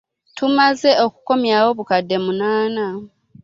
Tumaze okukomyawo obukadde munaana.